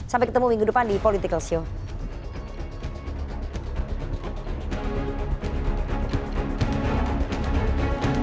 sampai ketemu minggu depan di political show